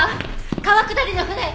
川下りの船！